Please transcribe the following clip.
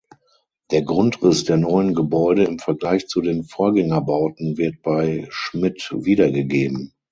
Der Grundriss der neuen Gebäude im Vergleich zu den Vorgängerbauten wird bei Schmitt wiedergegeben.